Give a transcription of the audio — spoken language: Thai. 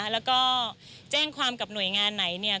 แล้วก็แจ้งความกับหน่วยงานไหนเนี่ย